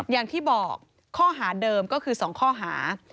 อย่างที่บอกข้อหาเดิมก็คือ๒ข้อหา